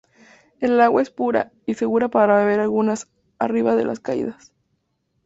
El agua es pura y segura para beber aguas arriba de las caídas.